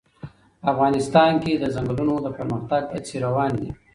افغانستان کې د ځنګلونه د پرمختګ هڅې روانې دي.